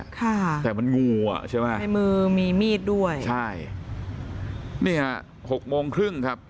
ค่ะแต่มันงูอ่ะใช่ไหมในมือมีมีดด้วยใช่นี่ฮะหกโมงครึ่งครับ